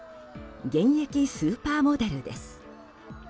現役スーパーモデルです。